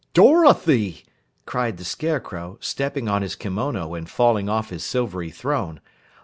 "Dorothy!" cried the Scarecrow, stepping on his kimona and falling off his silvery throne.